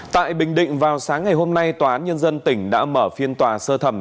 tại bình định vào sáng ngày hôm nay tòa án nhân dân tỉnh đã mở phiên tòa sơ thẩm